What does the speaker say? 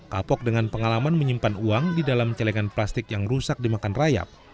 kapok dengan pengalaman menyimpan uang di dalam celengan plastik yang rusak dimakan rayap